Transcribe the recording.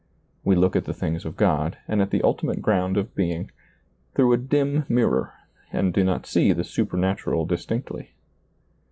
We look at the things of God and at the ultimate ground of being — through a dim mirror, and do not see the supernatural distinctly.